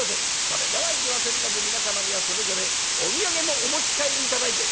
それではいけませんので皆様にはそれぞれお土産もお持ち帰り頂いて」。